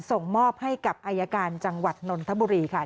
ส่งมอบให้กับอายการจังหวัดนนทบุรีค่ะ